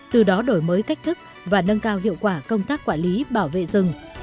từ đó đổi mới cách thức và nâng cao hiệu quả công tác quản lý bảo vệ rừng